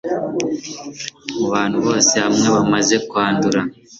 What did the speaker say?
Mu bantu bose hamwe bamaze kwandura,